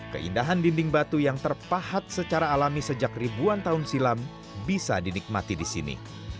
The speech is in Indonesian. keindahan dinding batu yang terpahat secara alami sejak ribuan tahun silam bisa dinikmati di sini